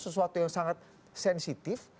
sesuatu yang sangat sensitif